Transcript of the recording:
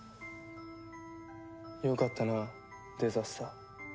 よかったなデザスター。